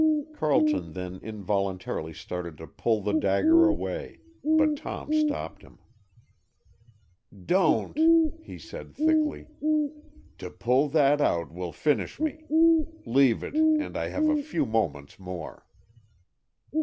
Carleton then involuntarily started to pull the dagger away, but Tom stopped him. "Don't," he said thickly. "To pull that out will finish me. Leave it, and I have a few moments more!"